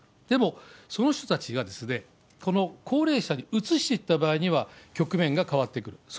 でも、その人たちがですね、この高齢者にうつしていった場合には、局面が変わってくる。